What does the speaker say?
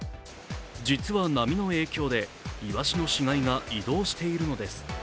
実は、波の影響でいわしの死骸が移動しているのです。